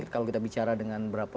kalau kita bicara dengan berapa